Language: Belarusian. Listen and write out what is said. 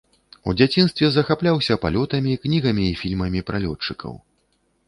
У дзяцінстве захапляўся палётамі, кнігамі і фільмамі пра лётчыкаў.